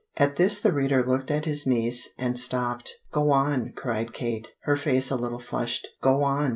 At this the reader looked at his niece and stopped. "Go on," cried Kate, her face a little flushed, "go on!"